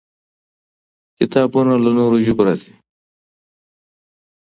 کتابونه له نورو ژبو راځي.